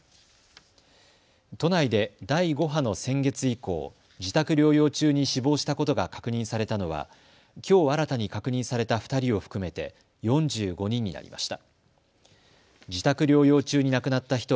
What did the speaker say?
都内で第５波の先月以降、自宅療養中に死亡したことが確認されたのはきょうは新たに確認された２人を含めて４５人になりました。